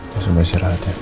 langsung bersyarah hati ya